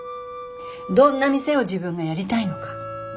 どんな店を自分がやりたいのか。